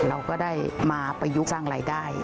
เราก็ได้มาประยุกต์สร้างรายได้